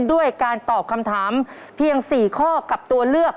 ด้วยการตอบคำถามเพียง๔ข้อกับตัวเลือก